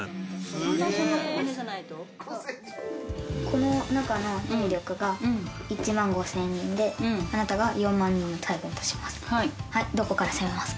この中の兵力が１万５０００人であなたが４万人の大軍とします。